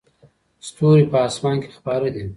ستوري په اسمان کې خپاره دي.